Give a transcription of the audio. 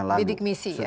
bidik misi ya